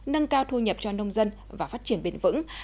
nâng cao thu nhập cho nông dân và phát triển bền vững